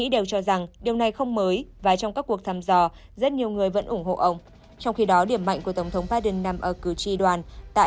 đến đây thời lượng của video cũng đã hết